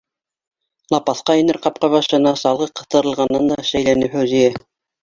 Лапаҫҡа инер ҡапҡа башына салғы ҡыҫтырылғанын да шәйләне Фәүзиә.